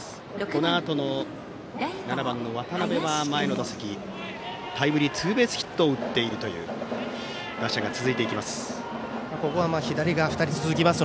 このあとの７番、渡辺は前の打席タイムリーツーベースヒットを打っているという打者が続いていきます。